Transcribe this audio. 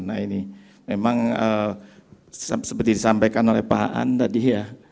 nah ini memang seperti disampaikan oleh pak an tadi ya